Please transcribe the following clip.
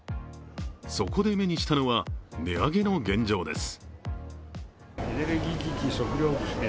そこで目にしたのは、値上げの現状です。